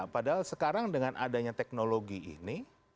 padahal sekarang dengan adanya teknologi ini